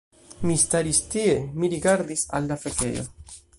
Mi staris tie, mi rigardis al la fekejo